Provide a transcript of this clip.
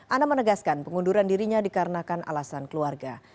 ana menegaskan pengunduran dirinya dikarenakan alasan keluarga